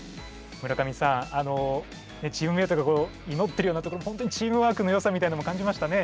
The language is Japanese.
村上さんチームメートがいのってるようなところ本当にチームワークのよさみたいなのも感じましたね。